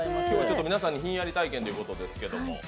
今日は皆さんにひんやり体験ということですけれども。